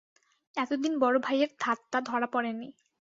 এতদিন বড়োভাইয়ের ধাতটা ধরা পড়ে নি।